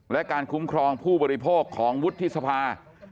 และการคุ้มครองผู้บริโภคของวุฒิสภา